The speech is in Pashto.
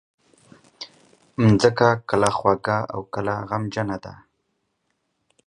مځکه کله خوږه او کله غمجنه ده.